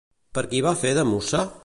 Per qui va fer de mussa?